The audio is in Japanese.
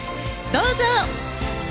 どうぞ！